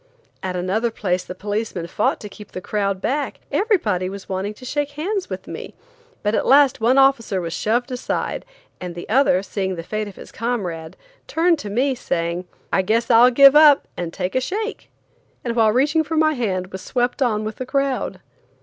At another place the policemen fought to keep the crowd back; everybody was wanting to shake hands with me, but at last one officer was shoved aside, and the other seeing the fate of his comrade, turned to me, saying: "I guess I'll give up and take a shake," and while reaching for my hand was swept on with the crowd.